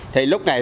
thì lúc này